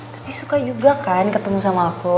tapi suka juga kan ketemu sama aku